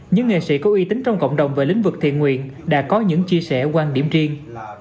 những nghệ sĩ có uy tín trong cộng đồng về lĩnh vực thiện nguyện đã có những chia sẻ quan điểm riêng